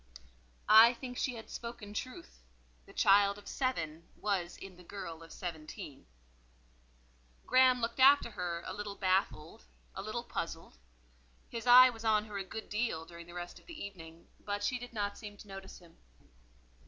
I think she had spoken truth: the child of seven was in the girl of seventeen. Graham looked after her a little baffled, a little puzzled; his eye was on her a good deal during the rest of the evening, but she did not seem to notice him.